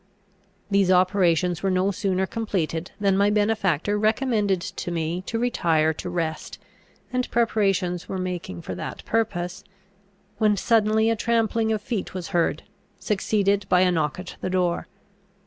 These operations were no sooner completed than my benefactor recommended to me to retire to rest, and preparations were making for that purpose, when suddenly a trampling of feet was heard, succeeded by a knock at the door.